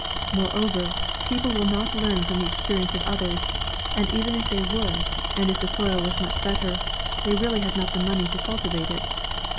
Moreover, people will not learn from the experience of others; and even if they would, and if the soil was much better, they really have not the money to cultivate it.